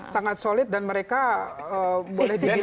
sangat solid dan mereka boleh dibilang